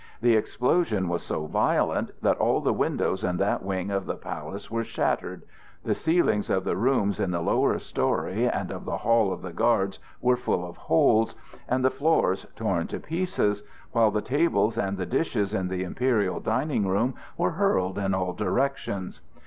The explosion was so violent that all the windows in that wing of the palace were shattered, the ceilings of the rooms in the lower story and of the hall of the guards were full of holes, and the floors torn to pieces, while the tables and the dishes in the imperial dining room were hurled in all directions.